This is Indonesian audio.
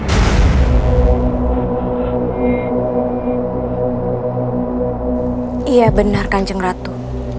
ya benar kanjeng ratu